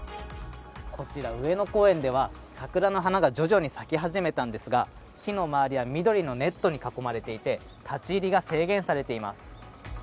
こちら上野公園では、桜の花が徐々に咲き始めたんですが、木の周りは緑のネットに囲まれていて立ち入りが制限されています。